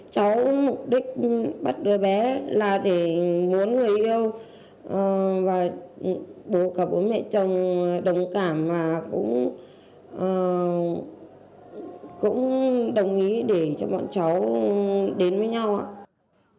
cháu mục đích bắt đứa bé là để muốn người yêu và bố cả bố mẹ chồng đồng cảm mà cũng đồng ý để cho bọn cháu đến với nhau ạ